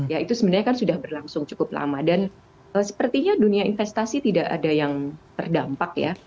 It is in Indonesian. ya itu sebenarnya kan sudah berlangsung cukup lama dan sepertinya dunia investasi tidak ada yang terdampak ya